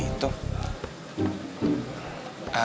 oh ini dia